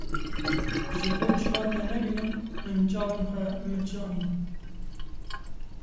Ji bo çûna te nebînim, min çavên xwe miçandin.